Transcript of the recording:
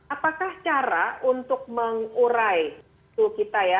apakah cara untuk mengurai suhu kita ya